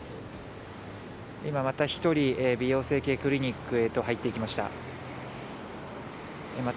今、また１人美容整形クリニックへと入っていきました。